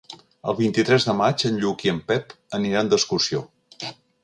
El vint-i-tres de maig en Lluc i en Pep aniran d'excursió.